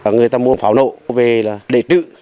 người ta mua pháo lậu về để trự